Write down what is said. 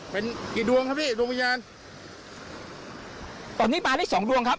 เป็นกี่ดวงครับพี่ดวงวิญญาณตอนนี้มาได้สองดวงครับ